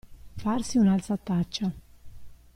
Farsi un'alzataccia.